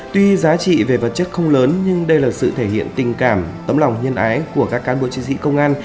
tuy giá trị về vật chất không lớn nhưng đây là sự thể hiện tình cảm tấm lòng nhân ái của các cán bộ chiến sĩ công an